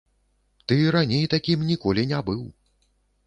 Ты раней такім ніколі не быў.